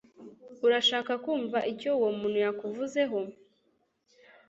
Urashaka kumva icyo uwo muntu yakuvuzeho?